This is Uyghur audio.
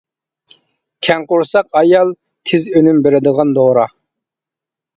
كەڭ قورساق ئايال-تېز ئۈنۈم بېرىدىغان دورا.